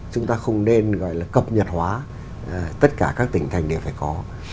chúng ta không nên gọi là cập nhật hóa tất cả các tỉnh thành đều phải có